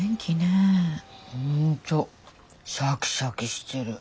本当シャキシャキしてる。